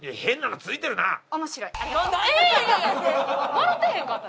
笑うてへんかった。